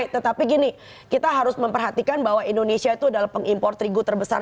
tetapi gini kita harus memperhatikan bahwa indonesia itu adalah pengimpor terigu terbesar